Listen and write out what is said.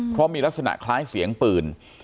เพราะมีลักษณะคล้ายเสียงปืน